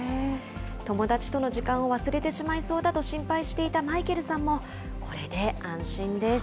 友達との時間を忘れてしまいそうだと心配していたマイケルさんも、これで安心です。